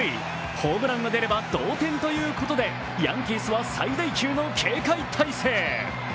ホームランが出れば同点ということで、ヤンキースは最大級の警戒態勢。